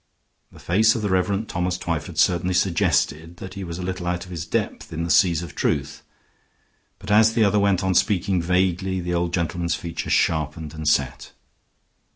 The face of the Rev. Thomas Twyford certainly suggested that he was a little out of his depth in the seas of truth, but as the other went on speaking vaguely the old gentleman's features sharpened and set.